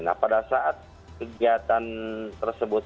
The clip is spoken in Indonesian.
nah pada saat kegiatan tersebut